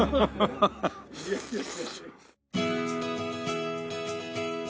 いやいやいやいや。